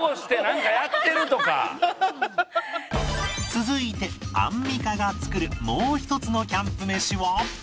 続いてアンミカが作るもう１つのキャンプ飯は？